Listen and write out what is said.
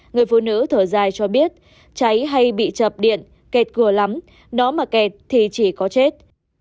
người phụ nữ thở dài cho biết cháy hay bị chập điện kẹt cửa lắm nó mà kẹt thì chỉ có chết